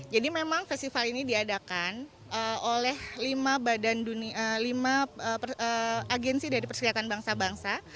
jadi memang festival ini diadakan oleh lima agensi dari persediaan bangsa bangsa